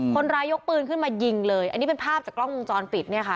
ยกปืนขึ้นมายิงเลยอันนี้เป็นภาพจากกล้องวงจรปิดเนี่ยค่ะ